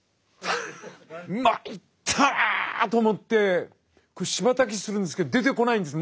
参ったと思ってこうしばたたきするんですけど出てこないんです。